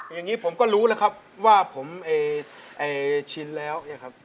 อย่างนี้ผมก็รู้แล้วครับว่าผมชินแล้ว